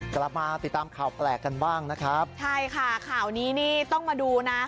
กลับมาติดตามข่าวแปลกกันบ้างนะครับใช่ค่ะข่าวนี้นี่ต้องมาดูนะ